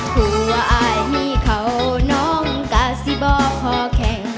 คือว่าอายมีเขาน้องก็สิบ่อพอแข่ง